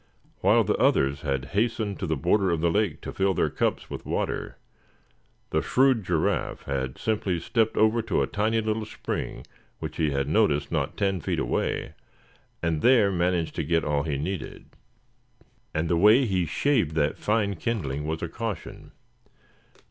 While the others had hastened to the border of the lake to fill their cups with water, the shrewd Giraffe had simply stepped over to a tiny little spring which he had noticed not ten feet away, and there managed to get all he needed. And the way he shaved that fine kindling was a caution.